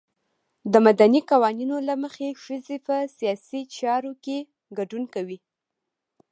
د مدني قوانینو له مخې ښځې په سیاسي چارو کې ګډون کوي.